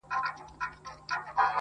څه عاشقانه څه مستانه څه رندانه غزل,